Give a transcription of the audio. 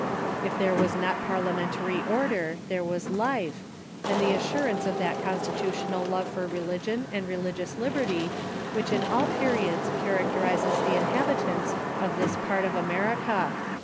... If there was not parliamentaiy order, there was life, and the assurance of that constitutional love for religion and religious liberty which in all periods characterizes the inhabitants of fehis part of America.